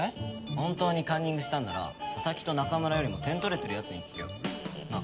本当にカンニングしたんなら佐々木と中村よりも点取れてる奴に聞けよ。なあ？